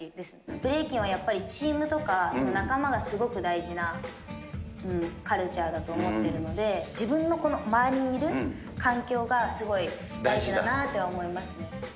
ブレイキンはやっぱりチームとか仲間がすごく大事なカルチャーだと思ってるので、自分のこの周りにいる環境がすごい大事だなと思いますね。